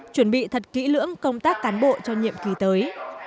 chuẩn bị thật kỹ lưỡng công tác cán bộ cho nhiệm kỳ tới